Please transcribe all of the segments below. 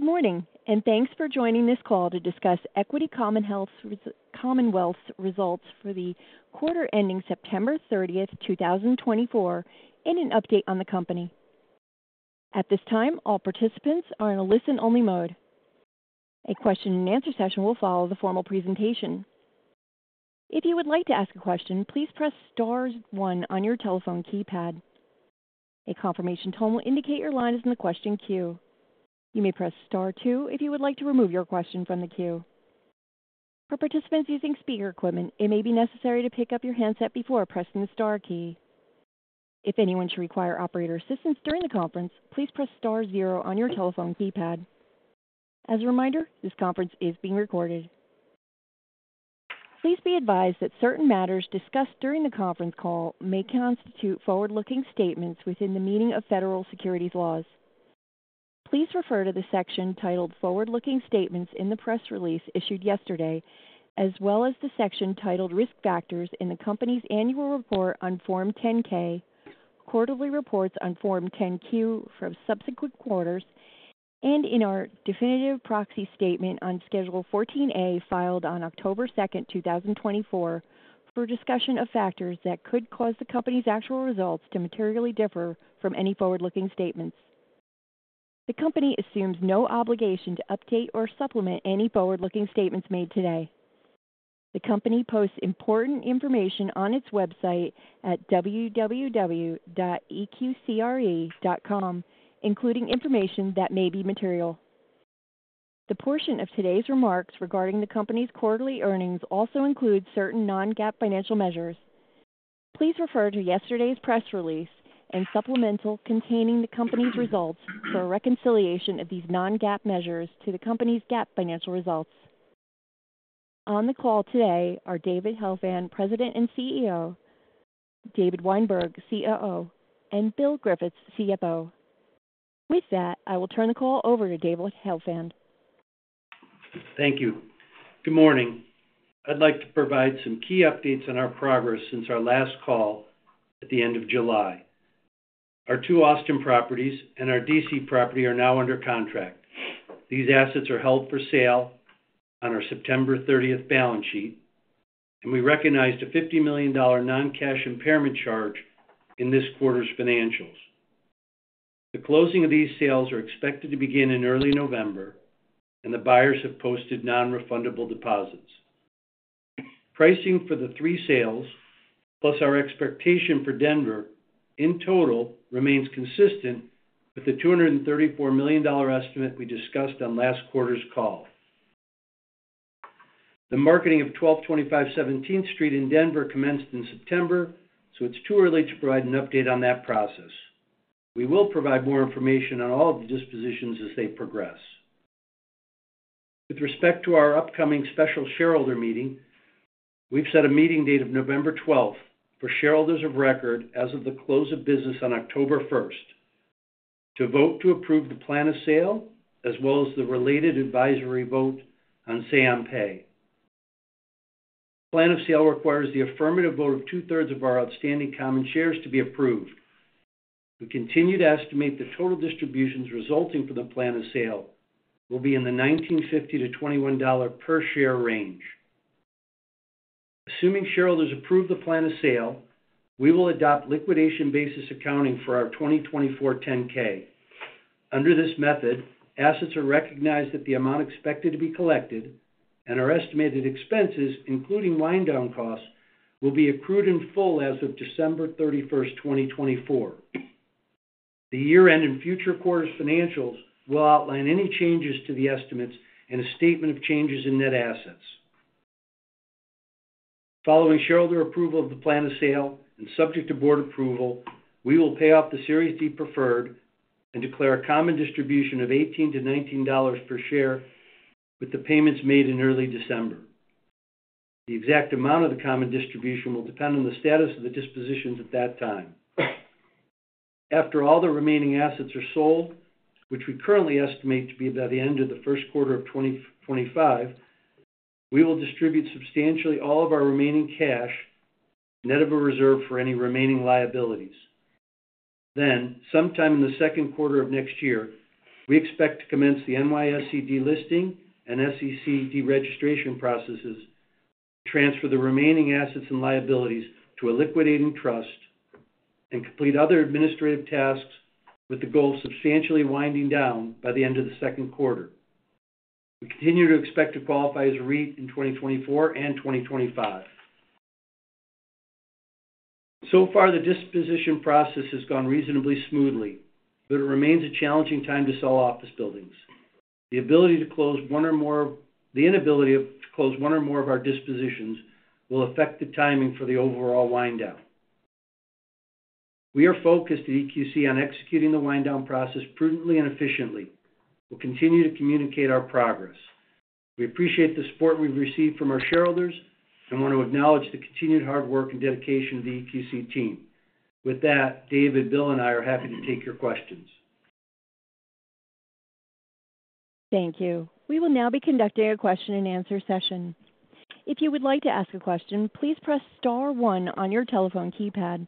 Good morning, and thanks for joining this call to discuss Equity Commonwealth's Results for the Quarter ending September 30th two 2024, and an update on the company. At this time, all participants are in a listen-only mode. A Q&A session will follow the formal presentation. If you would like to ask a question, please press star one on your telephone keypad. A confirmation tone will indicate your line is in the question queue. You may press star two if you would like to remove your question from the queue. For participants using speaker equipment, it may be necessary to pick up your handset before pressing the star key. If anyone should require operator assistance during the conference, please press star zero on your telephone keypad. As a reminder, this conference is being recorded. Please be advised that certain matters discussed during the conference call may constitute forward-looking statements within the meaning of federal securities laws. Please refer to the section titled "Forward-Looking Statements" in the press release issued yesterday, as well as the section titled "Risk Factors" in the company's Annual Report on Form 10-K, quarterly reports on Form 10-Q for subsequent quarters, and in our definitive proxy statement on Schedule 14A, filed on October second, 2024, for a discussion of factors that could cause the company's actual results to materially differ from any forward-looking statements. The company assumes no obligation to update or supplement any forward-looking statements made today. The company posts important information on its website at www.eqcre.com, including information that may be material. The portion of today's remarks regarding the company's quarterly earnings also include certain non-GAAP financial measures. Please refer to yesterday's press release and supplemental containing the company's results for a reconciliation of these non-GAAP measures to the company's GAAP financial results. On the call today are David Helfand, President and CEO, David Weinberg, COO, and Bill Griffiths, CFO. With that, I will turn the call over to David Helfand. Thank you. Good morning. I'd like to provide some key updates on our progress since our last call at the end of July. Our two Austin properties and our DC property are now under contract. These assets are held for sale on our September thirtieth balance sheet, and we recognized a $50 million non-cash impairment charge in this quarter's financials. The closing of these sales are expected to begin in early November, and the buyers have posted nonrefundable deposits. Pricing for the three sales, plus our expectation for Denver, in total, remains consistent with the $234 million estimate we discussed on last quarter's call. The marketing of 1225 17th Street in Denver commenced in September, so it's too early to provide an update on that process. We will provide more information on all of the dispositions as they progress. With respect to our upcoming special shareholder meeting, we've set a meeting date of November twelfth for shareholders of record as of the close of business on October first, to vote to approve the plan of sale, as well as the related advisory vote on say on pay. Plan of sale requires the affirmative vote of two-thirds of our outstanding common shares to be approved. We continue to estimate the total distributions resulting from the plan of sale will be in the $19.50-$21 per share range. Assuming shareholders approve the plan of sale, we will adopt liquidation basis accounting for our 2024 10-K. Under this method, assets are recognized at the amount expected to be collected, and our estimated expenses, including wind down costs, will be accrued in full as of December thirty-first, 2024. The year-end and future quarters financials will outline any changes to the estimates and a statement of changes in net assets. Following shareholder approval of the plan of sale and subject to board approval, we will pay off the Series D preferred and declare a common distribution of $18-$19 per share, with the payments made in early December. The exact amount of the common distribution will depend on the status of the dispositions at that time. After all the remaining assets are sold, which we currently estimate to be by the end of the first quarter of 2025, we will distribute substantially all of our remaining cash, net of a reserve for any remaining liabilities. Then, sometime in the second quarter of next year, we expect to commence the NYSE delisting and SEC deregistration processes, transfer the remaining assets and liabilities to a liquidating trust, and complete other administrative tasks with the goal of substantially winding down by the end of the second quarter. We continue to expect to qualify as a REIT in twenty twenty-four and twenty twenty-five. So far, the disposition process has gone reasonably smoothly, but it remains a challenging time to sell office buildings. The ability to close one or more... The inability to close one or more of our dispositions will affect the timing for the overall wind down. We are focused at EQC on executing the wind down process prudently and efficiently. We'll continue to communicate our progress. We appreciate the support we've received from our shareholders and want to acknowledge the continued hard work and dedication of the EQC team. With that, David, Bill, and I are happy to take your questions. Thank you. We will now be conducting a Q&A session. If you would like to ask a question, please press star one on your telephone keypad....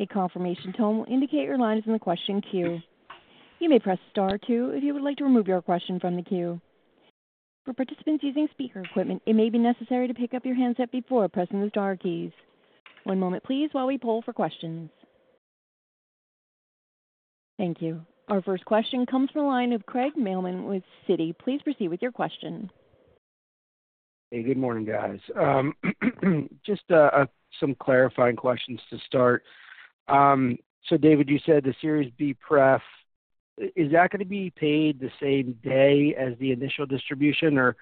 A confirmation tone will indicate your line is in the question queue. You may press star two if you would like to remove your question from the queue. For participants using speaker equipment, it may be necessary to pick up your handset before pressing the star keys. One moment please while we poll for questions. Thank you. Our first question comes from the line of Craig Mailman with Citi. Please proceed with your question. Hey, good morning, guys. Just some clarifying questions to start. So David, you said the Series D pref, is that going to be paid the same day as the initial distribution, or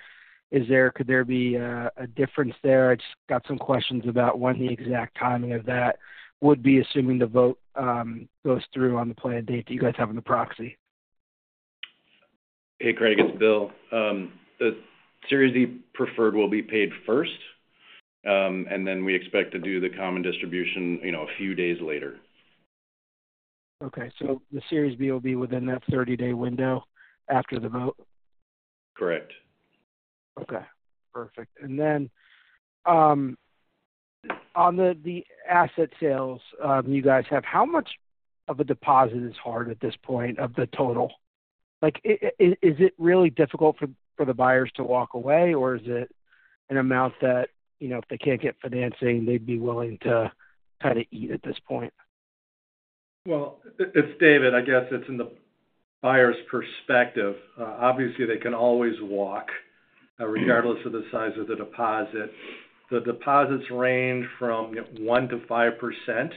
could there be a difference there? I just got some questions about when the exact timing of that would be, assuming the vote goes through on the planned date that you guys have in the proxy. Hey, Craig, it's Bill. The Series D preferred will be paid first, and then we expect to do the common distribution, you know, a few days later. Okay. So the Series D will be within that thirty-day window after the vote? Correct. Okay, perfect. And then, on the asset sales, you guys have, how much of a deposit is hard at this point, of the total? Like, is it really difficult for the buyers to walk away, or is it an amount that, you know, if they can't get financing, they'd be willing to kind of eat at this point? It's David. I guess it's in the buyer's perspective. Obviously, they can always walk, regardless of the size of the deposit. The deposits range from 1%-5%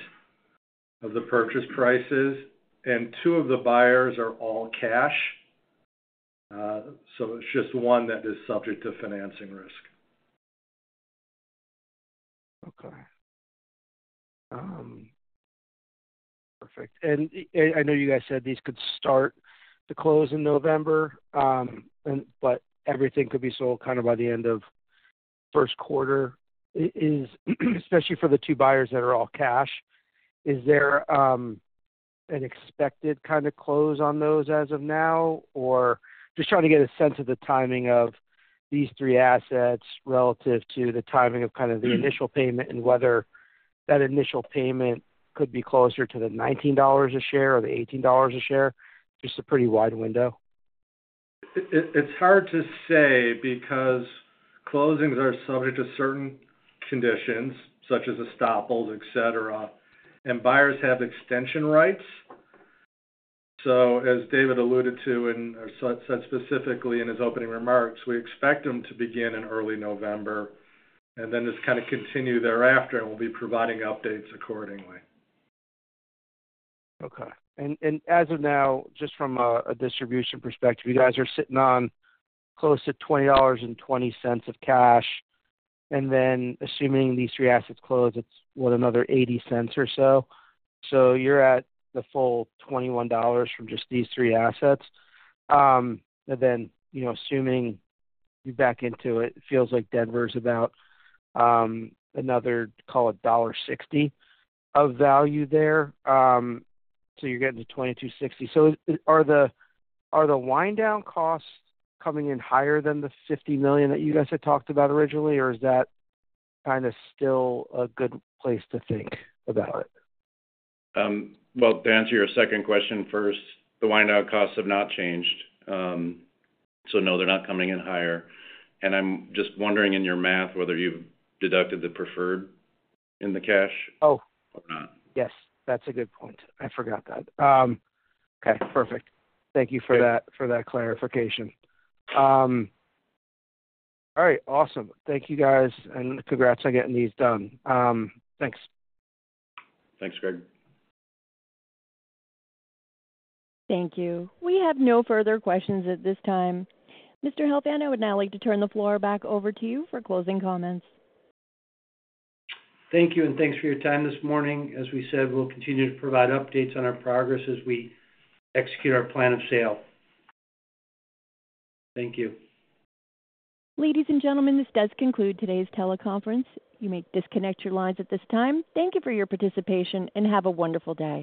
of the purchase prices, and two of the buyers are all cash. So it's just one that is subject to financing risk. Okay. Perfect. And I know you guys said these could start to close in November, and but everything could be sold kind of by the end of Q1. Is, especially for the two buyers that are all cash, is there an expected kind of close on those as of now, or just trying to get a sense of the timing of these three assets relative to the timing of kind of the initial payment, and whether that initial payment could be closer to the $19 a share or the $18 a share? Just a pretty wide window. It's hard to say because closings are subject to certain conditions, such as estoppels, et cetera, and buyers have extension rights. So as David alluded to and said specifically in his opening remarks, we expect them to begin in early November and then just kind of continue thereafter, and we'll be providing updates accordingly. Okay. And as of now, just from a distribution perspective, you guys are sitting on close to $20.20 of cash, and then assuming these three assets close, it's what, another $0.80 or so. So you're at the full $21 from just these three assets. And then, you know, assuming you back into it, it feels like Denver is about another, call it $1.60 of value there. So you're getting to $22.60. So are the wind down costs coming in higher than the $50 million that you guys had talked about originally, or is that kind of still a good place to think about it? Well, to answer your second question first, the wind down costs have not changed. So no, they're not coming in higher. And I'm just wondering in your math, whether you've deducted the preferred in the cash- Oh. - or not? Yes, that's a good point. I forgot that. Okay, perfect. Yeah. Thank you for that, for that clarification. All right, awesome. Thank you, guys, and congrats on getting these done. Thanks. Thanks, Craig. Thank you. We have no further questions at this time. Mr. Helfand, I would now like to turn the floor back over to you for closing comments. Thank you, and thanks for your time this morning. As we said, we'll continue to provide updates on our progress as we execute our plan of sale. Thank you. Ladies and gentlemen, this does conclude today's teleconference. You may disconnect your lines at this time. Thank you for your participation, and have a wonderful day.